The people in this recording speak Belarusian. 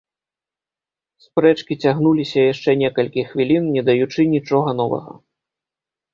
Спрэчкі цягнуліся яшчэ некалькі хвілін, не даючы нічога новага.